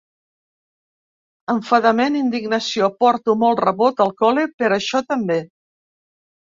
Enfadament, indignació: Porto molt rebot al cole per això també.